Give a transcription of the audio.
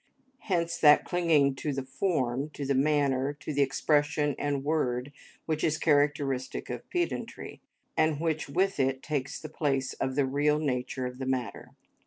Hence that clinging to the form, to the manner, to the expression and word which is characteristic of pedantry, and which with it takes the place of the real nature of the matter.